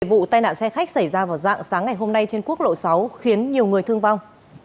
vụ tai nạn xe khách xảy ra vào dạng sáng ngày hôm nay trên quốc lộ sáu khiến nhiều người thương vong